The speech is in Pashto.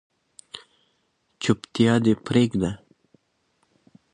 چوپتیا دې پریږده